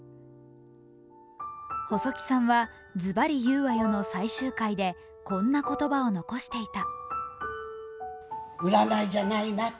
細木さんは「ズバリ言うわよ！」の最終回でこんな言葉を残していた。